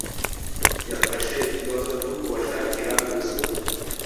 Yafashe ikibazo cyo kubashakira inzu.